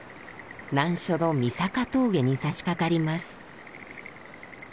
難所の三坂峠にさしかかります。